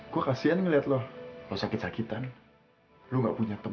gue kasian ngeliat lo sakit sakitan lo gak punya teman